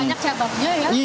banyak catoknya ya